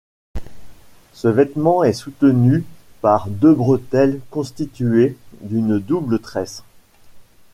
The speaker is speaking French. Ce vêtement est soutenu par deux bretelles constituées d'une double tresse.